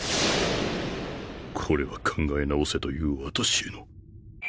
これは考え直せという私への